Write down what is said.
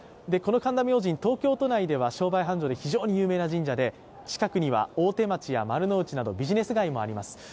この神田明神、東京都内では商売繁盛で非常に有名な神社で近くには大手町や丸の内など、ビジネス街もあります。